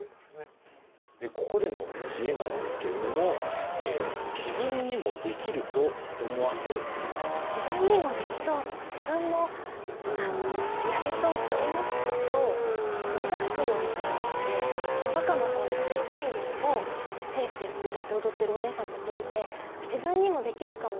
ここでの知恵なんですけれども「自分にもできそう」とか「自分もやれそう」って思うと目指すようになるのでまあ和歌もそうですけどアイドルもテレビで歌って踊ってるお姉さんたち見て自分にもできるかも！